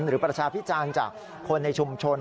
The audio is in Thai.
หรือประชาพิจารณ์จากคนในชุมชน